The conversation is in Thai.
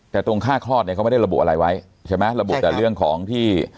แต่ตรงค่าคลอดเนี่ยเขาไม่ได้ระบุอะไรไว้ใช่ไหมระบุแต่เรื่องของที่